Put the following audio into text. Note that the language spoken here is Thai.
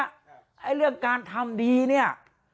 ไอ้เรื่องการทำดีเนี่ย